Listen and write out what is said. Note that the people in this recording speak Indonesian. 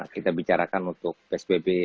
kita bicarakan untuk psbb